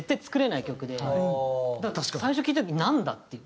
最初聴いた時なんだ？っていう。